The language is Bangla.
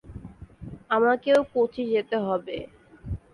আমাকেও কোচি যেতে হবে।